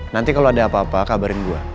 nanti kalau ada apa apa kabarin gue